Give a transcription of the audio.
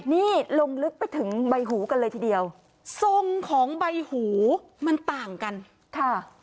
นี่ลงลึกไปถึงใบหูกันเลยทีเดียวทรงของใบหูมันต่างกันค่ะ